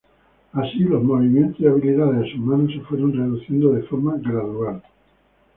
Así, los movimientos y habilidades de sus manos se fueron reduciendo de forma gradual.